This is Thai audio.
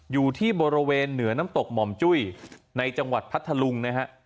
อยู่ที่บริเวณเหนือน้ำตกหม่อมจุ้ยในจังหวัดพัทธลุงนะฮะ